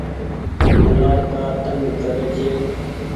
گلآب ڪآ تنگ ري ڇي۔